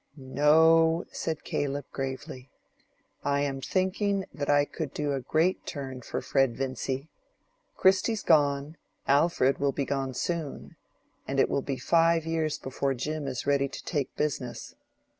"No," said Caleb, gravely; "I am thinking that I could do a great turn for Fred Vincy. Christy's gone, Alfred will be gone soon, and it will be five years before Jim is ready to take to business.